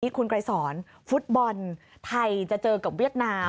คุณไกรสอนฟุตบอลไทยจะเจอกับเวียดนาม